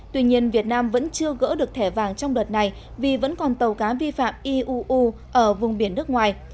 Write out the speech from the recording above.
tuy nhiên việt nam vẫn chưa gỡ được thẻ vàng trong đợt này vì vẫn còn tàu cá vi phạm iuu ở vùng biển nước ngoài